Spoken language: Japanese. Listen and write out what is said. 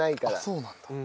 そうなんだ。